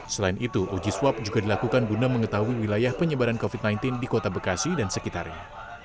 selain itu uji swab juga dilakukan guna mengetahui wilayah penyebaran covid sembilan belas di kota bekasi dan sekitarnya